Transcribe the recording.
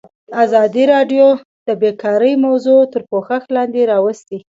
ازادي راډیو د بیکاري موضوع تر پوښښ لاندې راوستې.